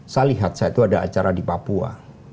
saya lihat saya itu ada acara di papua